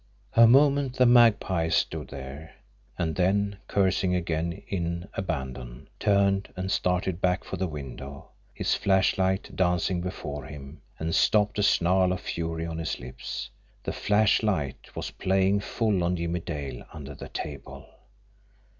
A moment the Magpie stood there; and then, cursing again in abandon, turned, and started back for the window, his flashlight dancing before him and stopped, a snarl of fury on his lips. The flashlight was playing full on Jimmie Dale under the table!